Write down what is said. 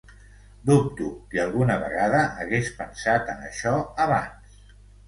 Dubto que alguna vegada hagués pensat en això abans.